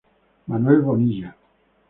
Manuel Bonilla.